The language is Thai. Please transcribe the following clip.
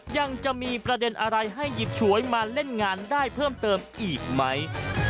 ยังมีประเด็นอะไรให้หยิบฉวยมาเล่นงานได้เพิ่มเติมอีกไหม